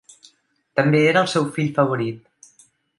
També era el seu fill favorit.